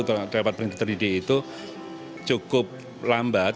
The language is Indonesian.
terdapat printer tiga d itu cukup lambat